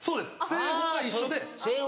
製法は一緒だ。